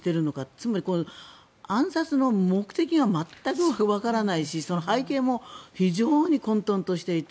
つまり、暗殺の目的が全く分からないし背景も非常に混沌としていて。